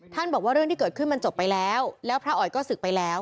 บอกว่าเรื่องที่เกิดขึ้นมันจบไปแล้วแล้วพระอ๋อยก็ศึกไปแล้ว